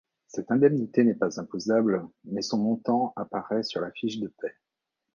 Cette Indemnité n'est pas imposable mais son montant apparaît sur la fiche de paie.